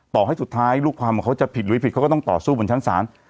ต่อให้สุดท้ายลูกความของเขาจะผิดหรือผิดเขาก็ต้องต่อสู้บนชั้นศาล